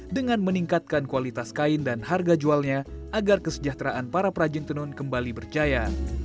dengan meningkatkan kualitas kain dan harga jualnya agar kesejahteraan para perajin tenun kembali berjaya